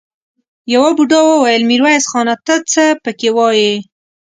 يوه بوډا وويل: ميرويس خانه! ته څه پکې وايې؟